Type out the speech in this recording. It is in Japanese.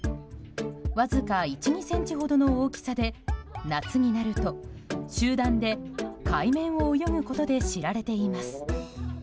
わずか１２ｃｍほどの大きさで夏になると集団で海面を泳ぐことで知られています。